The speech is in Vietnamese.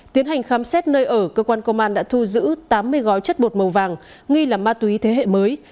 tiến hành khám xét nơi ở cơ quan công an đã thu giữ tám mươi gói chất bột màu vàng nghi là ma túy thế hệ mới